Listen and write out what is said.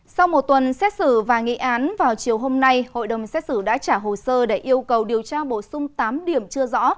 sau một tuần xét xử và nghị án vào chiều hôm nay hội đồng xét xử đã trả hồ sơ để yêu cầu điều tra bổ sung tám điểm chưa rõ